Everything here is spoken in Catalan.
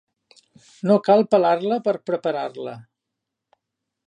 No cal pelar-la per preparar-la.